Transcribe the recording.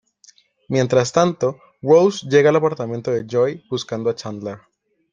Mientras tanto, Ross llega al apartamento de Joey buscando a Chandler.